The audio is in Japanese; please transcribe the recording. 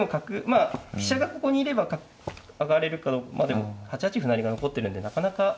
まあ飛車がここにいれば角上がれるけどまあでも８八歩成が残ってるんでなかなか。